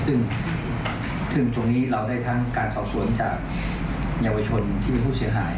ซึ่งตรงนี้เราได้ทั้งการสอบสวนจากเยาวชนที่ผู้เสียหาย